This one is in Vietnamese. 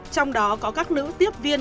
trong đó có các nữ tiếp viên